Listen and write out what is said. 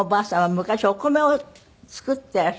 昔お米を作っていらしたんで。